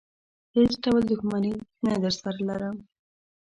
هېڅ ډول دښمني نه درسره لرم.